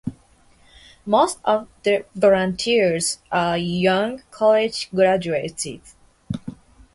Most of the volunteers are young college graduates.